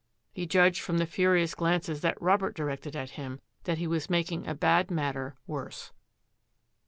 He judged from the furious glances that Robert directed at him that he was making a bad matter worse.